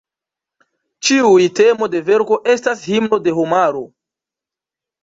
Ĉiuj temo de verko estas "Himno de Homaro".